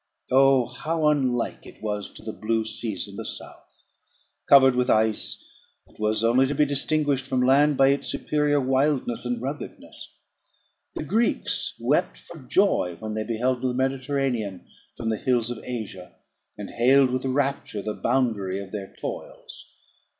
Oh! how unlike it was to the blue seas of the south! Covered with ice, it was only to be distinguished from land by its superior wildness and ruggedness. The Greeks wept for joy when they beheld the Mediterranean from the hills of Asia, and hailed with rapture the boundary of their toils.